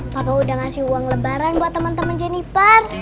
papa udah ngasih uang lebaran buat temen temen jeniper